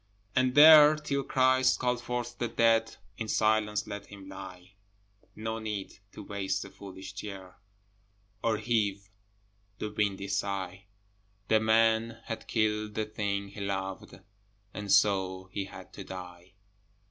And there, till Christ call forth the dead, In silence let him lie: No need to waste the foolish tear, Or heave the windy sigh: The man had killed the thing he loved, And so he had to die.